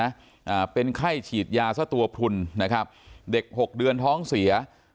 อ่าเป็นไข้ฉีดยาซะตัวพลุนนะครับเด็กหกเดือนท้องเสีย